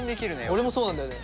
俺もそうなんだよね。